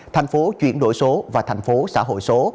thành phố chuyển đổi số và thành phố xã hội số